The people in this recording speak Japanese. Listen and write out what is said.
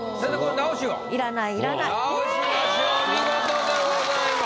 直しなしお見事でございます。